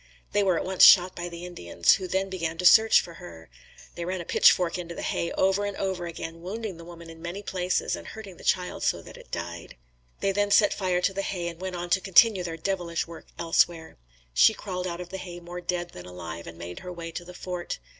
They were at once shot by the Indians who then began a search for her. They ran a pitch fork into the hay over and over again, wounding the woman in many places and hurting the child so that it died. They then set fire to the hay and went on to continue their devilish work elsewhere. She crawled out of the hay more dead than alive and made her way to the fort.